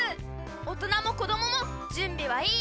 おとなもこどももじゅんびはいい？